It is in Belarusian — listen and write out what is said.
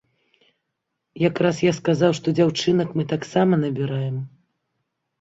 Якраз я сказаў, што дзяўчынак мы таксама набіраем.